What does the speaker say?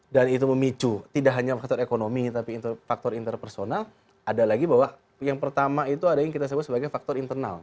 dan itu memicu tidak hanya faktor ekonomi tapi faktor interpersonal ada lagi bahwa yang pertama itu ada yang kita sebut sebagai faktor internal